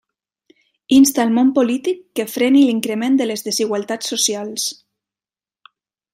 Insta al món polític que freni l'increment de les desigualtats socials.